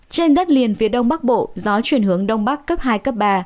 trên đất liền phía đông bắc bộ gió chuyển hướng đông bắc cấp hai cấp ba